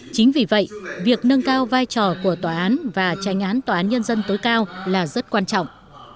chính vì vậy việc nâng cao vai trò của tòa án và tranh án tòa án nhân dân tối cao là rất quan trọng